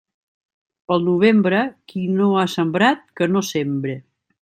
Pel novembre, qui no ha sembrat, que no sembre.